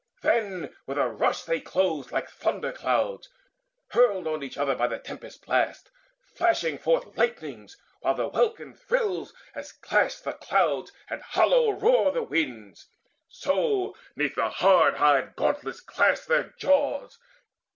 Then with a rush they closed like thunder clouds Hurled on each other by the tempest blast, Flashing forth lightnings, while the welkin thrills As clash the clouds and hollow roar the winds; So 'neath the hard hide gauntlets clashed their jaws.